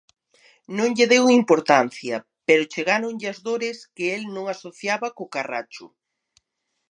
Non lle deu importancia pero chegáronlle as dores que el non asociaba co carracho.